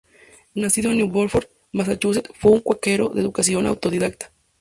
Nacido en New Bedford, Massachusetts, fue un cuáquero, de educación autodidacta.